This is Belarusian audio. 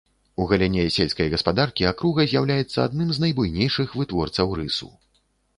У галіне сельскай гаспадаркі акруга з'яўляецца адным з найбуйнейшых вытворцаў рысу.